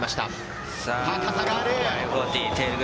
高さがある。